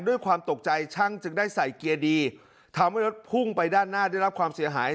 ด้วยความตกใจช่างจึงได้ใส่เกียร์ดีทำให้รถพุ่งไปด้านหน้าได้รับความเสียหาย